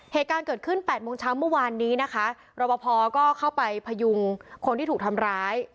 เหตุการณ์เกิดขึ้นแปดโมงเช้าเมื่อวานนี้นะคะรบพอก็เข้าไปพยุงคนที่ถูกทำร้าย